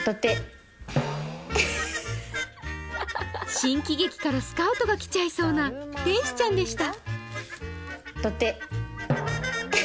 新喜劇からスカウトが来ちゃいそうな天使ちゃんでした。